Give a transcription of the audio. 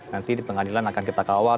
nanti di pengadilan akan kita kawal